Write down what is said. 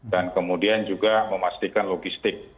dan kemudian juga memastikan logistik